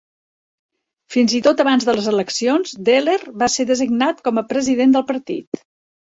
Fins i tot abans de les eleccions, Dehler va ser designat com a president del partit.